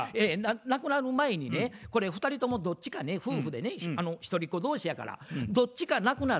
亡くなる前にねこれ２人ともどっちかね夫婦でね一人っ子同士やからどっちか亡くなったら。